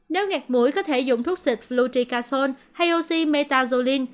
nếu nghẹt mũi có thể dùng thuốc xịt fluticasone hay oxymetazoline